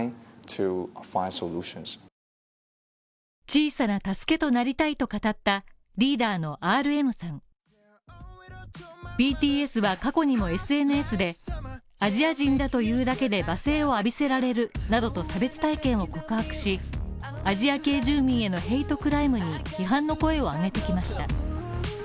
小さな助けとなりたいと語ったリーダーのＲＭさんＢＴＳは過去にもＳＮＳでアジア人だというだけで罵声を浴びせられるなどと差別体験を告白し、アジア系住民へのヘイトクライムに批判の声を上げてきました。